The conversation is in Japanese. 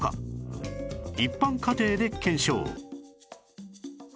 一般家庭で検証